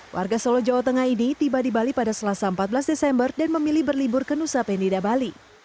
warga solo jawa tengah ini tiba di bali pada selasa empat belas desember dan memilih berlibur ke nusa penida bali